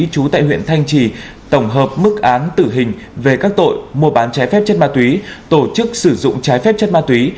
chú tại huyện thanh trì tổng hợp mức án tử hình về các tội mua bán trái phép chất ma túy tổ chức sử dụng trái phép chất ma túy